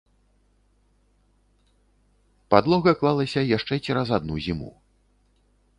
Падлога клалася яшчэ цераз адну зіму.